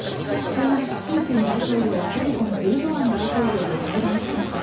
そんな中、プーチン大統領はトルコのエルドアン大統領と会談しました。